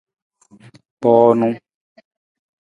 Kpoonu.